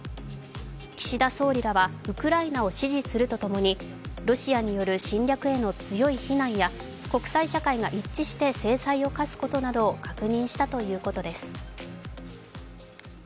岸田総理らはウクライナを支持するとともにロシアによる侵略への強い非難や国際社会が一致して制裁を科すことなどを確認したということです。